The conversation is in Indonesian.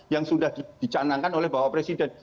yang sudah dicanangkan oleh bapak presiden